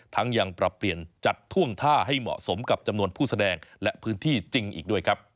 ยังปรับเปลี่ยนจัดท่วงท่าให้เหมาะสมกับจำนวนผู้แสดงและพื้นที่จริงอีกด้วยครับ